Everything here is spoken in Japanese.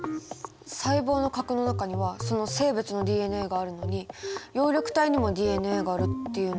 細胞の核の中にはその生物のＤＮＡがあるのに葉緑体にもＤＮＡがあるっていうのは。